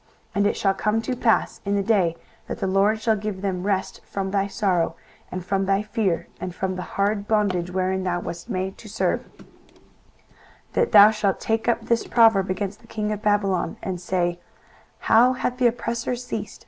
23:014:003 And it shall come to pass in the day that the LORD shall give thee rest from thy sorrow, and from thy fear, and from the hard bondage wherein thou wast made to serve, 23:014:004 That thou shalt take up this proverb against the king of Babylon, and say, How hath the oppressor ceased!